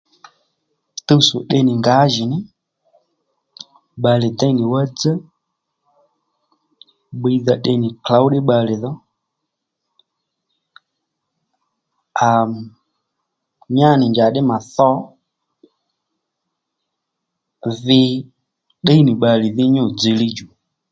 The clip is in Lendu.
Tuwtsò tde nì ngǎjìní bbalè déy nì wá dzá bbiydha tde nì klǒw ddí bbalè dho a à nyá nì njàddí mà tho vi tdíy nì bbalè dhí nyû dziylíy djò